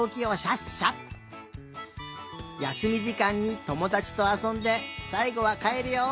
やすみじかんにともだちとあそんでさいごはかえるよ。